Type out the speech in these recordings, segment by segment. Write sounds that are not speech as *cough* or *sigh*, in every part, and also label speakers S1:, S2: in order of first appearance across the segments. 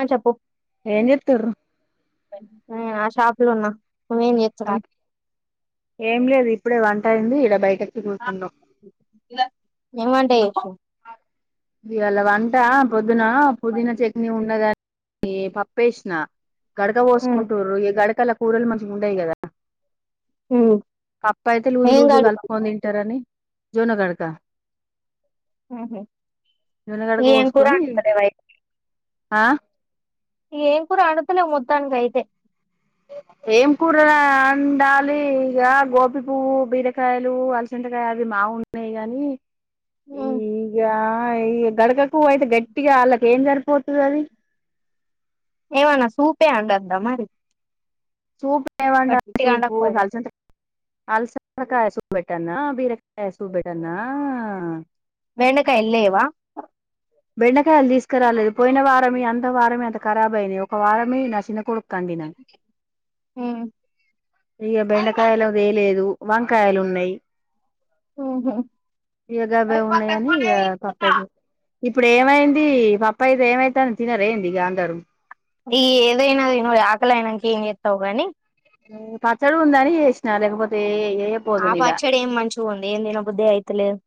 S1: ఆ చెప్పు
S2: ఏం జేత్తుర్రు
S1: నేనా షాపులున్నా
S2: ఏం లేదు ఇప్పుడే వంట అయింది ఇడ బయట
S1: ఏం వంట జేసినవ్
S2: ఇయాళ వంట పొద్దున పుదీనా చట్నీ ఉన్నదని పప్పేసిన గడక
S1: ఉమ్
S2: పోసుకుంటుర్రు ఈ గడకలా కూరలు మనకు ఉండయి కదా
S1: ఉమ్.
S2: పప్పు అయితే లూజు
S1: ఏం
S2: లూజు
S1: కడుగు
S2: కలుపుకొని తింటారని జోన్న గడకా
S1: ఉహు.
S2: జొన్న గడక
S1: ఏం కూర
S2: పోసుకొని
S1: వండుతలేవా
S2: ఆ
S1: ఏం కూర అండుతునవ్ మొత్తానికియితే
S2: ఏం కూర అండాలి ఇగా గోబి పువ్వు బీరకాయలు అలసంతాకాయ అవి మా అవునులే గాని
S1: ఉమ్.
S2: ఇంకా ఈ గడకకు అయితే గట్టిగా ఆలకు ఏం సరిపోతది అది
S1: ఎమన్న సూపే అండద్దామరి
S2: సూప్ ఏం వండ సూపు
S1: వండకపోతే
S2: అలిసింత అల్సకాయసూప్ బెట్టనా బీరకాయసూప్ బెట్టనా
S1: బెండకాయలు లేవా
S2: బెండకాయలు తీసుకురాలేదు పోయిన వారం ఇ అంత వారమే అంత కరాబ్ అయినాయి ఒక వారమే నా చిన్న కొడు అండిన
S1: ఉమ్.
S2: ఇగా బెండకాయలు తేలేదు వంకాయలు ఉన్నాయి
S1: ఉహు
S2: *unintelligible* ఉన్నాయని ఇక పప్పే ఇప్పుడు ఏమైంది పప్పాయితే ఏమైతంది తినరేంది గాంధరు
S1: ఈ ఏదైనా తిను ఆకలీ అయినాక ఏం చేస్తావు కానీ
S2: ఆ పచ్చడి ఉందని చేసిన లేకపోతే ఏ పోదును ఇక
S1: ఆపచ్చాడి ఏమి మంచిగా ఉంది ఏం తినబుద్ధే అయితలేదు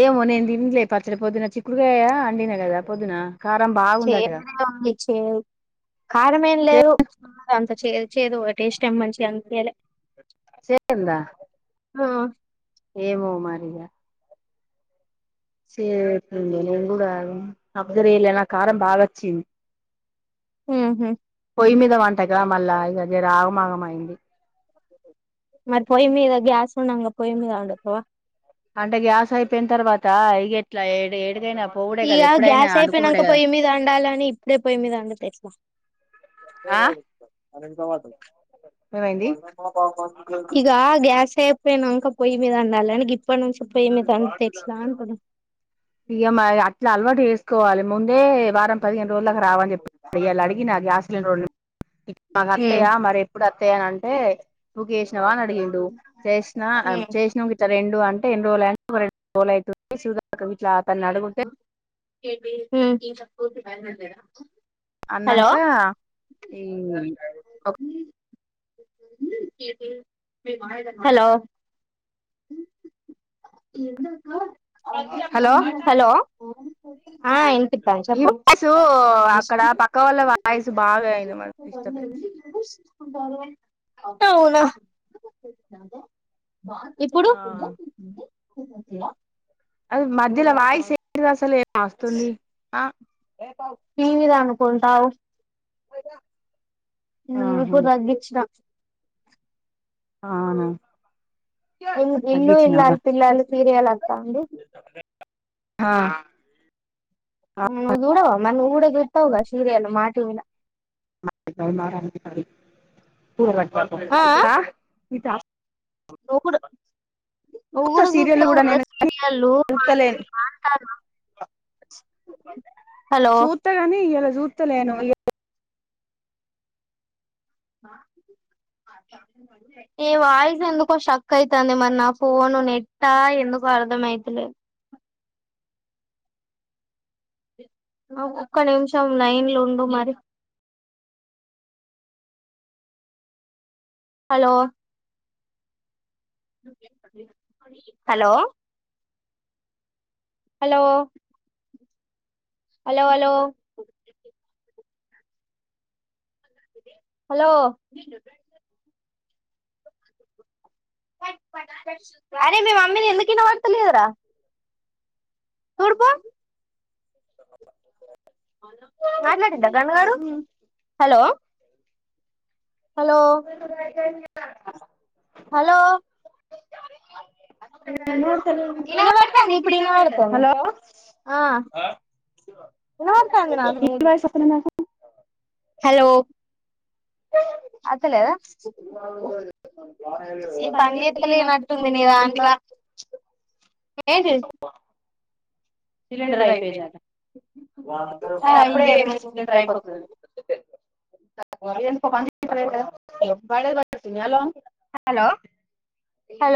S2: ఏమో నేను తిన్లె పచ్చడి పొద్దున చిక్కుడుగాయా అండినా కదా పొద్దున కారం బాగుందటగా
S1: కరమేమి
S2: చే
S1: లేదు చేదు చేదు ఒకటే టెస్ట్ ఏం మంచిగ అనిపిలే
S2: చేదుంద
S1: హ్మ
S2: ఏమో మరి ఇ గ్ సే దుంద నేన కూడా అబ్జర్వ్ చేయలే నాక కారం బాగో చింది
S1: హ్మ హ్మ
S2: పొయి మీద వంటాగా మళ్ళా ఇగ జే రాగమాగం అయింది
S1: మరి పొయ్యి మీదా గ్యాస్ ఉండగా పోయ్యి మీదా ఒండుతవ
S2: అంటే గ్యాస్ అయిపోయిన తర్వాత ఇగ ఎట్లా ఏ ఏడుగైనా
S1: ఇక గ్యాస్ అయిపోయినాక పోయి మీద ఓలి అని ఇప్పుడే పోయి మీద ఒండుతే ఎట్లా
S2: ఆ ఏమైంది
S1: *unintelligible* ఇక గ్యాస్ అపోయినాంకా పొయ్య మీద ఒండలి అని గీ అప్పనుంచి *unintelligible*
S2: ఇట్లా అలవాటు చేసుకోవాలి ముందే వారం పదిహేను రోజులదాకా రావని చెప్పి అడియాలి అడిగి నా గ్యాస్ లేనోలు అత్తయ్య
S1: ఉమ్
S2: మరి ఎప్పుడు అని అంటే బుక్ చేసినవా అని అడిగిండు చేసినా చేసినవ ఇ రెండు అంటే ఎన్ని రోజులు ఆయా ఒక రెండు రోజులు అయితుంది *unintelligible* ఇట్ల అతని అడుగుతే
S1: హ్మ్
S2: అన్నక్కా ఈ
S1: హలో ఎందకా
S2: హలో
S1: హలో ఆ ఎనిపితంది చెప్పు
S2: ఆ పక్క వాళ్ళ వాయిసు బాగా వినపడుతుంది
S1: అవునా ఇప్పుడు
S2: అది మధ్యలో వాయిసే అసలు ఏం వస్తుంది ఆ
S1: టీవిది అనుకుంటావ
S2: అద
S1: హ్మ ఇప్పుడు తగ్గించిన
S2: ఆహా
S1: ఇల్లు ఇల్లాలు పిల్లలు సీరియల్ వత్తాంది
S2: *unintelligible* ఆహా
S1: ఊ చూడవా మరి నువ్వు కూడా చూస్తావుగా సీరియల్ మాటీల ఆ ఆ
S2: *unintelligible*
S1: నువ్వు కూడా ఉఊడు
S2: సీరియల్
S1: చూస్తావు
S2: కూడా
S1: కదా
S2: నేను
S1: సీరియల్లు మాటీవీ మాంటా
S2: సూత కాని ఇయాల సూతలేను
S1: బ నీ వాయిస్ ఎందుకో స్టక్ అవుతుంది మరి నా ఫోను నెట్ ఎందుకో అర్థమైతే లేదు ఒక్క నిమిషం నైన్లు ఉండు మరి hello hello hello hello hello hello అరే మీ మమ్మీని ఎందుకినా వాడుతలిదారా కోపో మాట్లాడింద కన్నగారు హలో హలో హలో వినబడుతాంది ఇప్పుడు వినబడతాను హలో ఆ వినబడుతాంది నాకు నీ హలో అత్తలేదా ఇది పని
S2: పండలి
S1: చేత్తలేనట్టుంది నీ
S2: ముదంట్లా
S1: దాంట్ల
S2: సిలిండర్ అయిపోయిందట నేను
S1: *unintelligible*
S2: అప్పుడే చెప్పిన సిలిండర్
S1: అ
S2: *unintelligible* హలో హలో హాలో